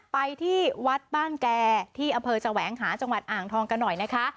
ไปที่วัดบ้านแก่ที่อำเภอแสวงหาจังหวัดอ่างทองกันหน่อยนะคะ